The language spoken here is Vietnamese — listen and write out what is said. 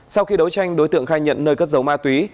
sau khi đấu tranh đối tượng khai nhận nơi cất giấu ma túy